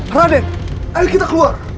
raden ayo kita keluar